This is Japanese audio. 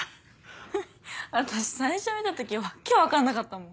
フフ私最初見た時訳分かんなかったもん。